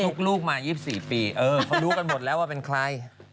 ลูกมา๒๔ปีเขารู้กันหมดแล้วว่าเป็นใคร